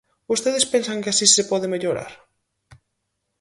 ¿Vostedes pensan que así se pode mellorar?